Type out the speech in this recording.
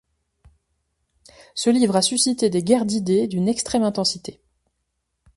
Ce livre a suscité des guerres d'idées d'une extrême intensité.